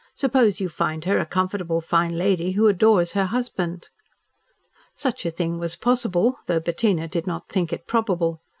Suppose you find her a comfortable fine lady who adores her husband." Such a thing was possible, though Bettina did not think it probable.